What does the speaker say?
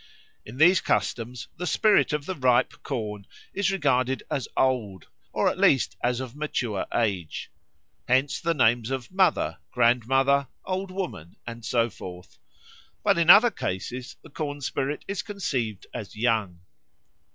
In these customs the spirit of the ripe corn is regarded as old, or at least as of mature age. Hence the names of Mother, Grandmother, Old Woman, and so forth. But in other cases the corn spirit is conceived as young.